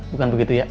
bukan begitu ya